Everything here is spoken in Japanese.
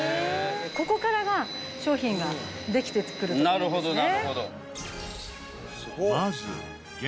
ここからが商品が出来て作られるんですね。